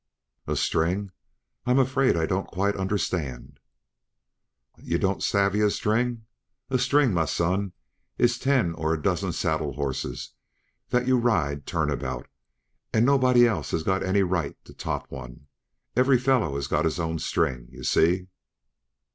"A string? I'm afraid I don't quite understand." "Yuh don't savvy riding a string? A string, m'son, is ten or a dozen saddle horses that yuh ride turn about, and nobody else has got any right to top one; every fellow has got his own string, yuh see."